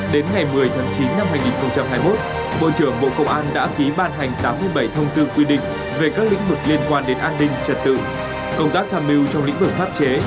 về các lĩnh vực liên quan đến an ninh trật tự công tác tham mưu trong lĩnh vực pháp chế